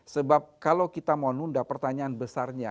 sebab kalau kita mau nunda pertanyaan besarnya